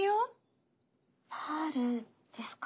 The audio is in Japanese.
パールですか。